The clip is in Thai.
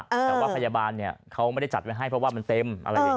แต่ว่าพยาบาลเขาไม่ได้จัดไว้ให้เพราะว่ามันเต็ม